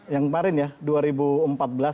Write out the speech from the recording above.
yang kemarin ya dua ribu empat belas